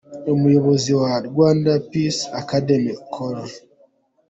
Umuyobozi wa Rwanda Peace Academy, Col.